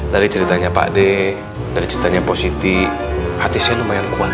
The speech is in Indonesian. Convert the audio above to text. dari ceritanya pak d dari ceritanya pak siti hati saya lumayan kuat